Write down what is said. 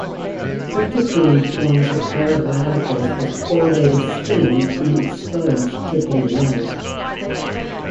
Cryptochrome forms a pair of radicals with correlated spins when exposed to blue light.